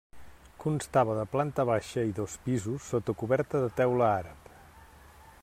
Constava de planta baixa i dos pisos, sota coberta de teula àrab.